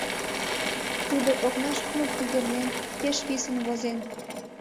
Тудо, окнаш кумык пӱгырнен, пеш писын возен.